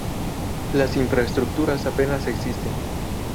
Las infraestructuras apenas existen.